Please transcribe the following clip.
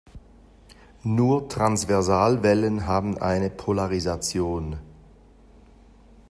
Nur Transversalwellen haben eine Polarisation.